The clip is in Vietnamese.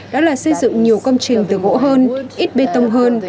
đó là xây dựng nhiều công trình từ gỗ hơn ít bê tông hơn